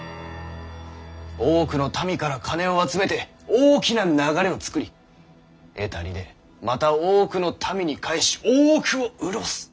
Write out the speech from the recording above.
多くの民から金を集めて大きな流れを作り得た利でまた多くの民に返し多くを潤す。